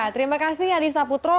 terima kasih yadisa putro